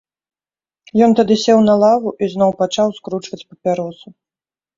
Ён тады сеў на лаву і зноў пачаў скручваць папяросу.